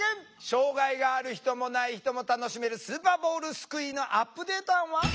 障害がある人もない人も楽しめるスーパーボールすくいのアップデート案は？